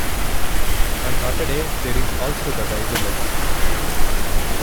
On Saturday there is also the Wiezoloop.